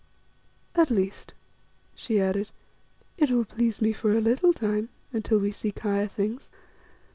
At least," she added, "it will please me for a little time, until we seek higher things."